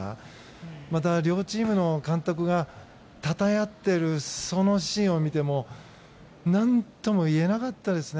また両チームの監督がたたえ合っているシーンを見ても何とも言えなかったですね。